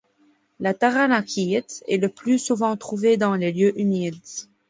La taranakite est le plus souvent trouvée dans les lieux humides.